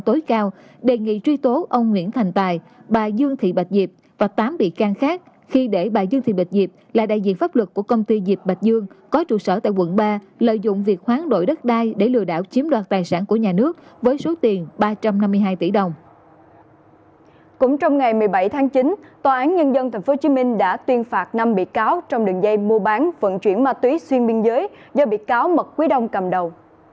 tòa án nhân dân tp hcm đã tuyên phạt năm bị cáo trong đường dây mua bán vận chuyển ma túy xuyên biên giới do bị cáo mật quý đông cầm đầu